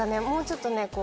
もうちょっとね。